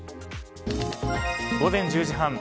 午前１０時半。